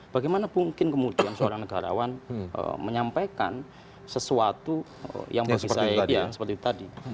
bagaimana mungkin kemudian seorang negarawan menyampaikan sesuatu yang bagi saya seperti tadi